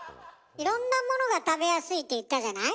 いろんなものが食べやすいって言ったじゃない？